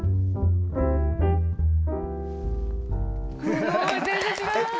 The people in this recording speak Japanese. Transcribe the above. すごい全然違う。